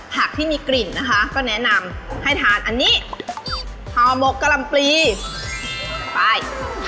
หากที่มีกลิ่นนะคะก็แนะนำให้ทานอันนี้ห่อหมกกะลำปลีไป